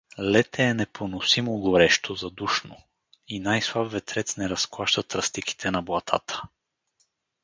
Лете е непоносимо горещо, задушно, и най-слаб ветрец не разклаща тръстиките на блатата.